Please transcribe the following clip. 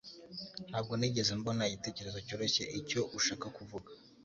Ntabwo nigeze mbona igitekerezo cyoroshye icyo ushaka kuvuga